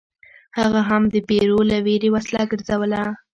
هغه هم د پیرو له ویرې وسله ګرځوله.